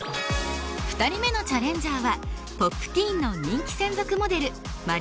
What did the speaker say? ２人目のチャレンジャーは『Ｐｏｐｔｅｅｎ』の人気専属モデルまりくま。